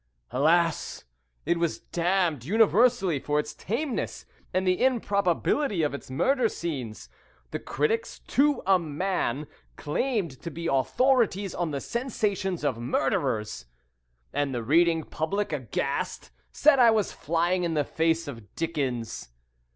Alas! it was damned universally for its tameness and the improbability of its murder scenes. The critics, to a man, claimed to be authorities on the sensations of murderers, and the reading public, aghast, said I was flying in the face of Dickens.